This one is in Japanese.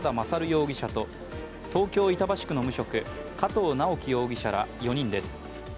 容疑者と東京・板橋区の無職、加藤直樹容疑者ら４人です。